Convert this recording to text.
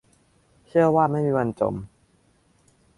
เชื่อว่าไม่มีวันจม